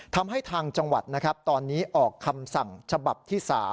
ทำให้ทางจังหวัดตอนนี้ออกคำสั่งฉบับที่๓